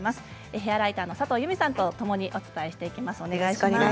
ヘアライターの佐藤友美さんとともにお伝えしていきます。